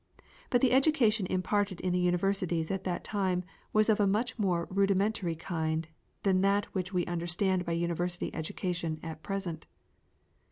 But the education imparted in the universities at that time was of a much more rudimentary kind than that which we understand by university education at present.